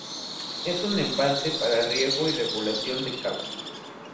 Es un embalse para riego y regulación de cauce.